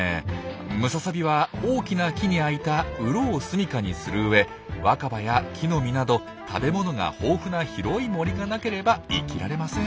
ムササビは大きな木にあいた「うろ」をすみかにするうえ若葉や木の実など食べ物が豊富な広い森がなければ生きられません。